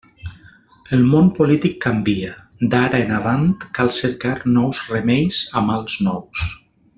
El món polític canvia; d'ara en avant cal cercar nous remeis a mals nous.